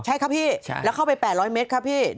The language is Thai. ใช่ครับพี่แล้วเข้าไป๘๐๐เมตรครับพี่